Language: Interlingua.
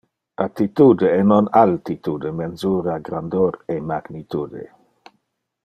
Attitude, e non altitude, mensura grandor e magnitude.